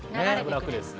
楽ですね。